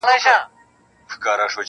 وايي د مُلا کتاب خاص د جنتونو باب-